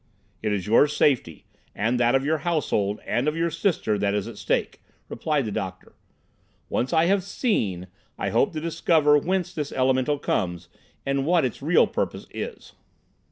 "It is your safety, and that of your household, and of your sister, that is at stake," replied the doctor. "Once I have seen, I hope to discover whence this elemental comes, and what its real purpose is."